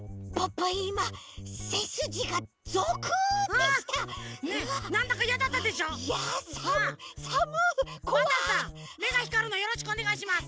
パンタンさんめがひかるのよろしくおねがいします。